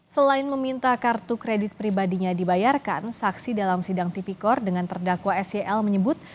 selain meminta kartu kredit pribadinya dibayarkan saksi dalam sidang tipikor dengan terdakwa sel menyebut